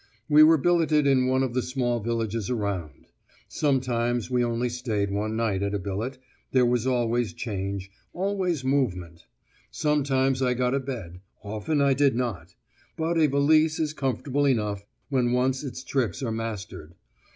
We were billeted in one of the small villages around. Sometimes we only stayed one night at a billet: there was always change, always movement. Sometimes I got a bed; often I did not; but a valise is comfortable enough, when once its tricks are mastered.